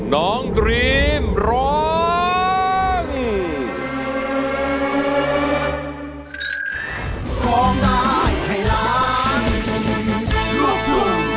น้องดรีมร้อง